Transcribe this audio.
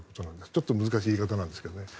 ちょっと難しい言い方なんですけどね。